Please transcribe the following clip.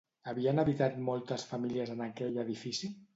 Havien habitat moltes famílies en aquell edifici?